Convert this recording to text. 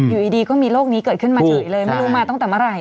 อยู่ดีก็มีโรคนี้เกิดขึ้นมาเฉยเลยไม่รู้มาตั้งแต่เมื่อไหร่